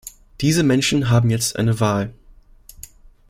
Diese Menschen haben jetzt eine Wahl.